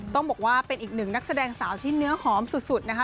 ต้องบอกว่าเป็นอีกหนึ่งนักแสดงสาวที่เนื้อหอมสุดนะคะ